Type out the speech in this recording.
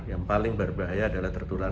yang paling berbahaya adalah tertular